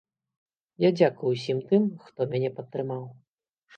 Я дзякую ўсім тым, хто мяне падтрымаў.